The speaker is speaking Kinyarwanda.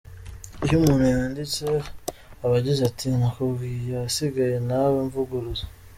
Iyo umuntu yanditse aba agize ati ‘nakubwiye, ahasigaye nawe mvuguruza.